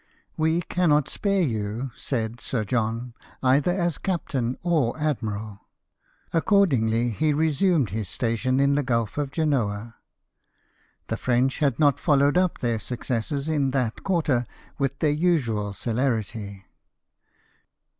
" We cannot spare you," said Sir John, "either as captain or admiral." Accordingly, he resumed his station in the Gulf of Genoa. The French had not followed up their suc cesses in that quarter with their usual celerity.